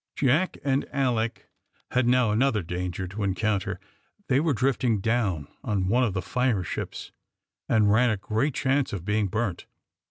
Jack and Alick had now another danger to encounter. They were drifting down on one of the fire ships, and ran a great chance of being burnt.